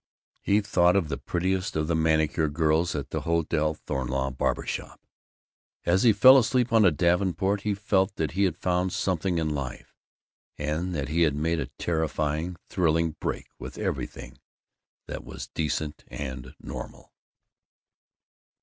He thought of the prettiest of the manicure girls at the Hotel Thornleigh barber shop. As he fell asleep on the davenport he felt that he had found something in life, and that he had made a terrifying, thrilling break with everything that was decent and normal.